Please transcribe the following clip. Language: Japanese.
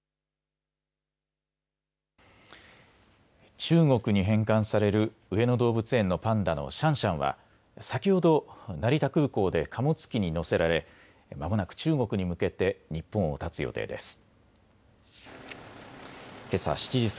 中国に返還される上野動物園のパンダのシャンシャンは先ほど成田空港で貨物気に乗せられ、まもなく中国に向けて日本をたつ予定です。